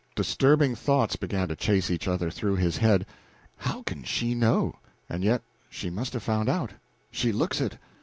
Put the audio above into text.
Disturbing thoughts began to chase each other through his head. "How can she know? And yet she must have found out she looks it.